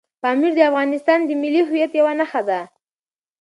پامیر د افغانستان د ملي هویت یوه نښه ده.